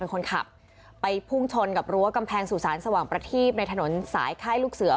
เป็นคนขับไปพุ่งชนกับรั้วกำแพงสุสานสว่างประทีบในถนนสายค่ายลูกเสือ